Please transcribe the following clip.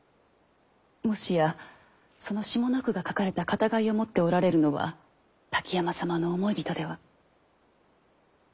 もしやその下の句が書かれた片貝を持っておられるのは滝山様の思い人では？